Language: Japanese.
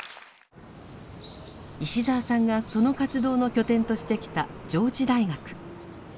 石澤さんがその活動の拠点としてきた上智大学。